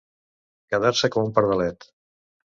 Quedar-se com un pardalet.